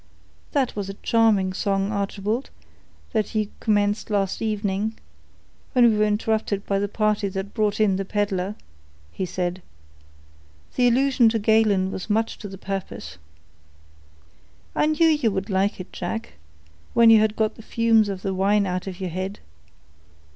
"That was a charming song, Archibald, that you commenced last evening, when we were interrupted by the party that brought in the peddler," he said. "The allusion to Galen was much to the purpose." "I knew you would like it, Jack, when you had got the fumes of the wine out of your head.